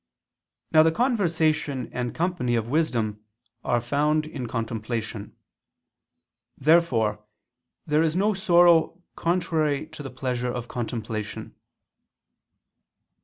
Now the conversation and company of wisdom are found in contemplation. Therefore there is no sorrow contrary to the pleasure of contemplation.